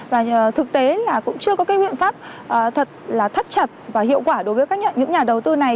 và thực tế là cũng chưa có cái biện pháp thật là thắt chặt và hiệu quả đối với những nhà đầu tư này